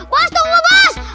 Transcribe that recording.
bos tunggu bos